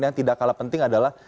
yang tidak kalah penting adalah